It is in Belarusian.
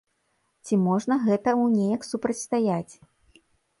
Ці можна гэтаму неяк супрацьстаяць?